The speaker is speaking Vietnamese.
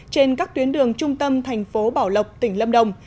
trên các tuyến đường trung tâm thành phố bảo lộc tỉnh lâm đồng